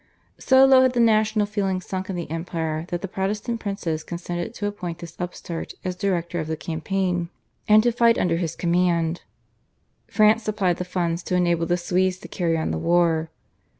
So low had the national feeling sunk in the empire that the Protestant princes consented to appoint this upstart as director of the campaign and to fight under his command. France supplied the funds to enable the Swedes to carry on the war.